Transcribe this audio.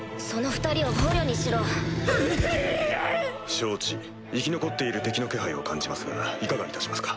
承知生き残っている敵の気配を感じますがいかがいたしますか？